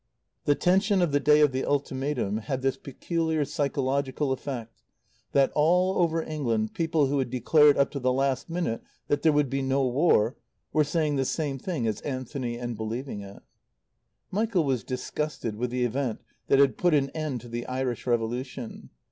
The tension of the day of the ultimatum had this peculiar psychological effect that all over England people who had declared up to the last minute that there would be no War were saying the same thing as Anthony and believing it. Michael was disgusted with the event that had put an end to the Irish Revolution.